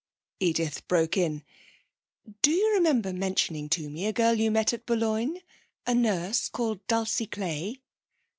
Edith broke in. 'Do you remember mentioning to me a girl you met at Boulogne a nurse called Dulcie Clay?'